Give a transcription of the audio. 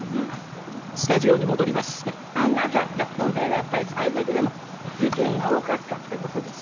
やっぱりあれだけでも事件が多かったっていう事ですよね。